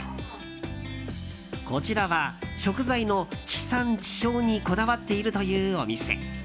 こちらは食材の地産地消にこだわっているというお店。